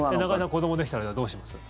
子どもできたらどうします？